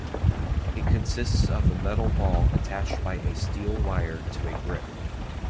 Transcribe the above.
It consists of a metal ball attached by a steel wire to a grip.